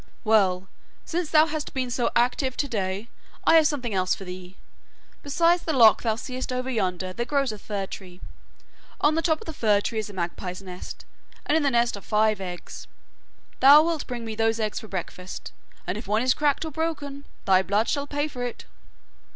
'Well, since thou hast been so active to day, I have something else for thee! Beside the loch thou seest over yonder there grows a fir tree. On the top of the fir tree is a magpie's nest, and in the nest are five eggs. Thou wilt bring me those eggs for breakfast, and if one is cracked or broken, thy blood shall pay for it.